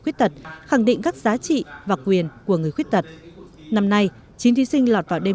khuyết tật khẳng định các giá trị và quyền của người khuyết tật năm nay chín thí sinh lọt vào đêm